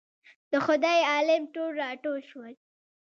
د خدای عالم ټول راټول شول.